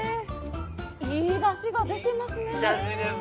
いいだしが出てますね。